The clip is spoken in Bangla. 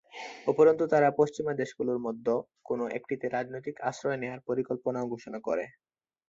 উপরন্তু, তারা পশ্চিমা দেশগুলোর মধ্যে কোন একটিতে রাজনৈতিক আশ্রয় নেওয়ার পরিকল্পনাও ঘোষণা করে।